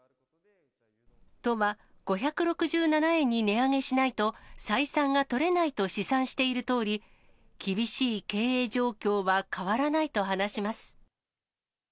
都は５６７円に値上げしないと、採算がとれないと試算しているとおり、厳しい経営状況は変わらないと話します。